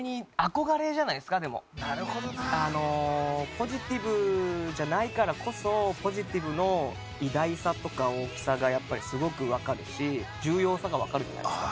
ポジティブじゃないからこそポジティブの偉大さとか大きさがやっぱりすごくわかるし重要さがわかるじゃないですか。